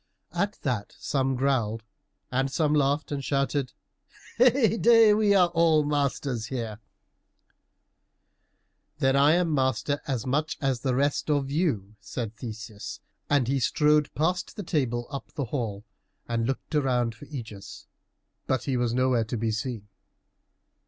At that some growled, and some laughed and shouted, "Heyday! we are all masters here." "Then I am master as much as the rest of you," said Theseus, and he strode past the table up the hall, and looked around for Ægeus, but he was nowhere to be seen.